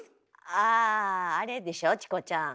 ああれでしょチコちゃん。